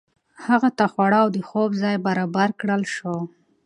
هغه ته خواړه او د خوب ځای برابر کړل شو.